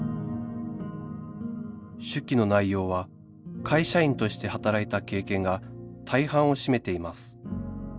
手記の内容は会社員として働いた経験が大半を占めています